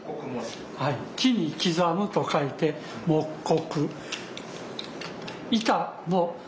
木に刻むと書いて木刻。